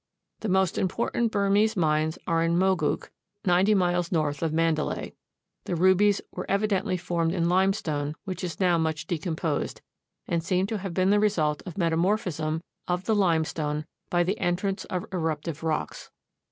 The most important Burmese mines are in Mogouk, ninety miles north of Mandalay. The rubies were evidently formed in limestone, which is now much decomposed, and seem to have been the result of metamorphism of the limestone by the entrance of eruptive rocks.